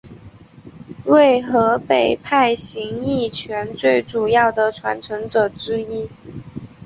为河北派形意拳最主要的传承者之一。